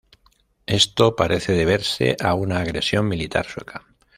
Esto parece deberse a una agresión militar sueca.